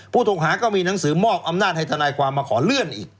ถูกหาก็มีหนังสือมอบอำนาจให้ทนายความมาขอเลื่อนอีก